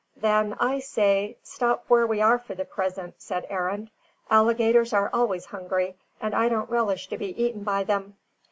"Then I say, stop where we are for the present," said Arend. "Alligators are always hungry, and I don't relish to be eaten by them."